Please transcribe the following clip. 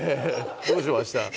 どうしました？